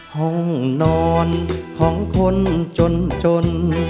ห้องนอนของคนจนจน